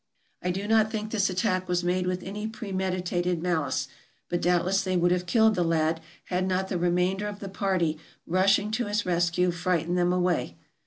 I do not think this attack was made with any premedi tated malice ; but doubtless they would have killed the lad had not the remainder of the party, rushing to his rescue, frightened them away.